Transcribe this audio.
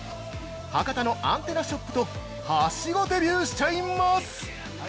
博多のアンテナショップとはしごデビューしちゃいます！